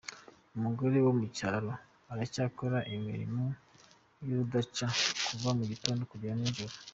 Umugore wo mu cyaro aracyakora imirimo y’urudaca kuva mu gitondo kugera nijoro.